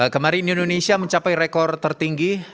kemarin indonesia mencapai rekor tertinggi